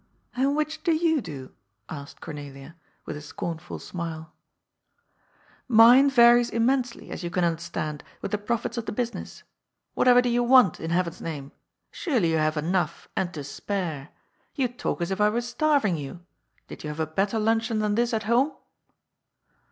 " And which do you do ?" asked Cornelia, with a scorn ful smile. " Mine varies immensely, as you can understand, with the profits of the business. Whatever do you want, in Heaven's name ? Surely you have enough, and to spare. You talk as if I were starving you. Did you have a better luncheon than this at home